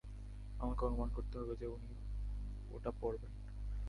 আমাকে অনুমান করতে হবে যে উনি ওটা পড়বেন।